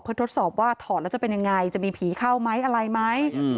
เพื่อทดสอบว่าถอดแล้วจะเป็นยังไงจะมีผีเข้าไหมอะไรไหม